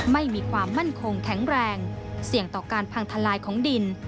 ไม่มีความมั่นคงแข็งแรงเสี่ยงต่อการพังทลายของดิน